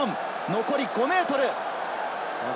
残り５ｍ。